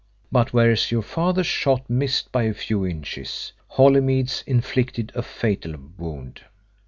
But whereas your father's shot missed by a few inches, Holymead's inflicted a fatal wound.